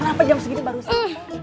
kenapa jam segini baru sam